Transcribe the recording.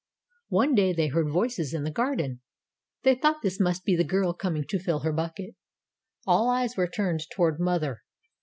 "One day they heard voices in the garden. They thought this must be the girl coming to fill her bucket. All eyes were turned toward mother.